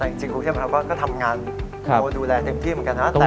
แต่จริงกรุงเทพเราก็ทำงานเราดูแลเต็มที่เหมือนกันนะ